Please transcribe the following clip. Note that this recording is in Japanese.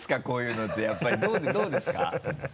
こういうのってやっぱりどうですか？